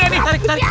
tarik tarik tarik